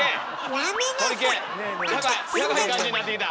やばい感じになってきた！